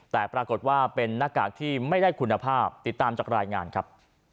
แต่ปรากฏว่าเป็นหน้ากากที่ไม่ได้คุณภาพติดตามจากรายงานครับ